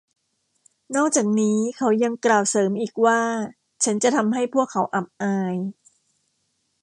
นอกจากนี้เขายังกล่าวเสริมอีกว่า ฉันจะทำให้พวกเขาอับอาย